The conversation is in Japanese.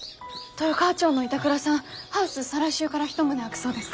豊川町の板倉さんハウス再来週から１棟空くそうです。